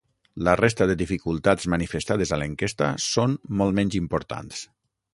La resta de dificultats manifestades a l’enquesta són molt menys importants.